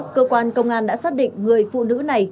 cơ quan công an đã xác định người phụ nữ này